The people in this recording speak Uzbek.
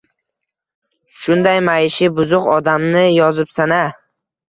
Shunday maishiy buzuq odamni yozibsan-a